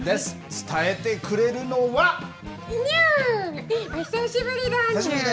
伝えてくれるのは。にゅ、お久しぶりだにゅ。